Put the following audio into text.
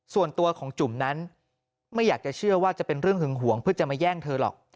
ส่วนตัวของจุ๋มนั้นไม่อยากจะเชื่อว่าจะเป็นเรื่องหึงหวงเพื่อจะมาแย่งเธอหรอก